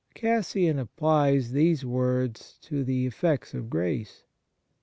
Cassian applies these words to the effects of grace.